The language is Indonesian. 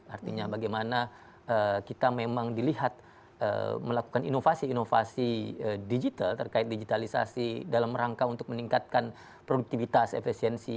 artinya bagaimana kita memang dilihat melakukan inovasi inovasi digital terkait digitalisasi dalam rangka untuk meningkatkan produktivitas efisiensi